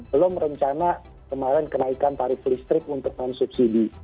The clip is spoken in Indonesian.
belum rencana kemarin kenaikan tarif listrik untuk non subsidi